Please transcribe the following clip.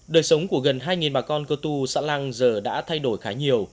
đời sống của gần hai bà con cơ tu xã lăng giờ đã thay đổi khá nhiều